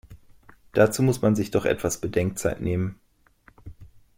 Dazu muss man sich doch etwas Bedenkzeit nehmen!